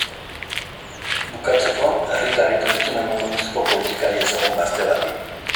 Bukatzeko, errieta egiten zion emakumezko politikari ezagun gazte bati.